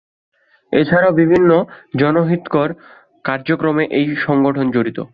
এছাড়াও বিভিন্ন জনহিতকর কার্যক্রমে এই সংগঠন জড়িত।